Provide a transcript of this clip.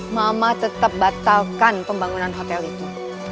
mama tetap batalkan pembangunan hotel itu